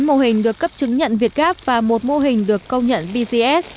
bốn mô hình được cấp chứng nhận việt gáp và một mô hình được công nhận bgs